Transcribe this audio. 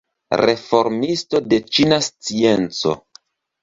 Reformisto de ĉina scienco.